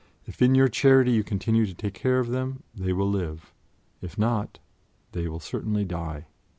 If in your charity you continue to take care of them, they will live; if not, they will certainly die.